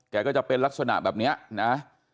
ก็จะเป็นลักษณะแบบนี้นะ